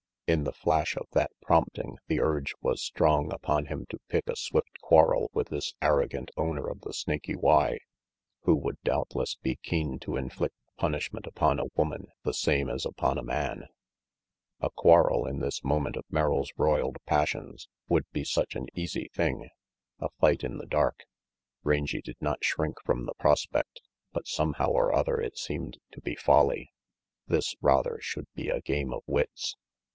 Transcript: In the flash of that prompt ing the urge was strong upon him to pick a swift quarrel with this arrogant owner of the Snaky Y, who would doubtless be keen to inflict punishment upon a woman the same as upon a man. A quarrel 154 RANGY PETE in this moment of Merrill's roiled passions woul such an easy thing. A fight in the dark! Rangy did not shrink from the prospect, but somehow or other it seemed to be folly. This, rather, should be a game of wits.